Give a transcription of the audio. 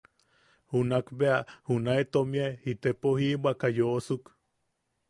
Junakbea junae tomie itepo jibwaka yoʼosuk.